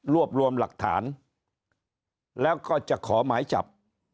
รวมรวมหลักฐานแล้วก็จะขอหมายจับ